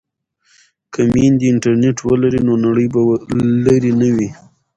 که میندې انټرنیټ ولري نو نړۍ به لرې نه وي.